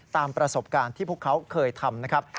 ตามประสบการณ์ที่พวกเขาเคยทำนะครับ